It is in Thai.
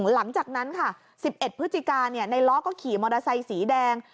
หลังจากนั้นค่ะ๑๑พฤศจิกาในล้อก็ขี่มอเตอร์ไซสีแดง